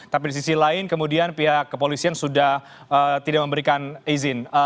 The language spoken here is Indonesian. tapi di sisi lain kemudian pihak kepolisian sudah tidak memberikan izin